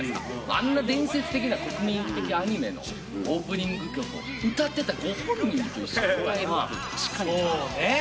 あんな伝説的な国民的アニメのオープニング曲を歌ってたご本人と一緒に歌える。